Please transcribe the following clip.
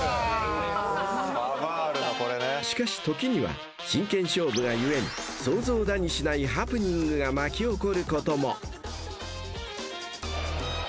［しかし時には真剣勝負が故に想像だにしないハプニングが巻き起こることも］